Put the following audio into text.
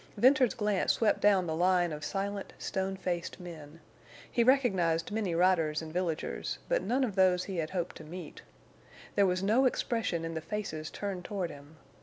Venters's glance swept down the line of silent stone faced men. He recognized many riders and villagers, but none of those he had hoped to meet. There was no expression in the faces turned toward him.